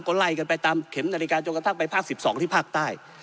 คนไล่กันไปตามเข็มนาฬิกาโจกรัมภาคเป้าทรีปสิบสองที่ภาคใต้